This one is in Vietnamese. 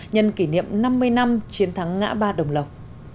nhân kỷ niệm năm mươi năm chiến thắng ngã ba đồng lộc